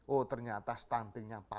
oh ternyata stuntingnya parah